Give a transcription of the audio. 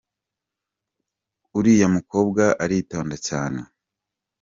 Uriya mukobwa aritonda cyane.